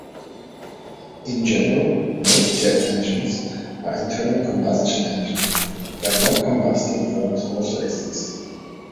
In general, most jet engines are internal combustion engines but non-combusting forms also exist.